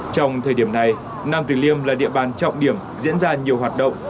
trong thời điểm này nam tử liêm là địa bàn trọng điểm diễn ra nhiều hoạt động